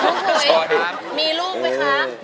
มีลูกไหมคะ